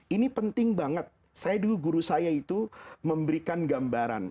ini penting banget saya dulu guru saya itu memberikan gambaran